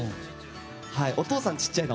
お父さん、小さいな。